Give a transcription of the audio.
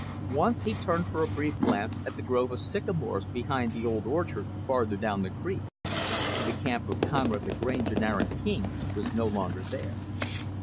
Once, he turned for a brief glance at the grove of sycamores behind the old orchard, farther down the creek. The camp of Conrad Lagrange and Aaron King was no longer there.